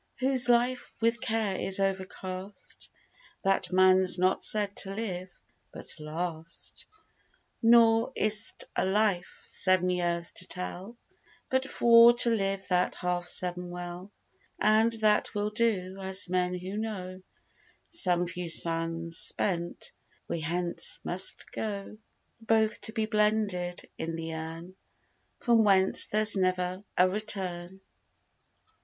Whose life with care is overcast, That man's not said to live, but last; Nor is't a life, seven years to tell, But for to live that half seven well; And that we'll do, as men who know, Some few sands spent, we hence must go, Both to be blended in the urn, From whence there's never a return.